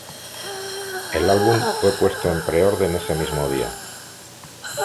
El álbum fue puesto en pre-orden ese mismo día.